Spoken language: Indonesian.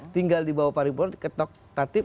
tinggal di bawah paripurna diketok katip